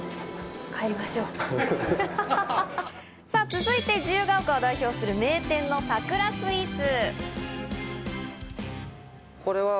続いて自由が丘を代表する名店の桜スイーツ。